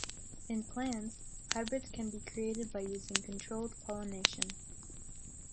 In plants, hybrids can be created by using controlled pollination.